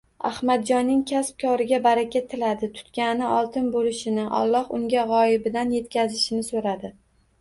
Adhamjonning kasb-koriga baraka tiladi, tutgani oltin boʻlishini, Alloh unga gʻoyibidan yetkazishini soʻradi